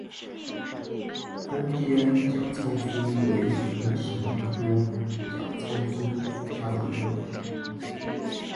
中间假糙苏为唇形科假糙苏属下的一个种。